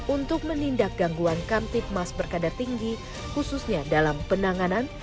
untuk menindak gangguan kamtip mas berkadar tinggi khususnya dalam penanganan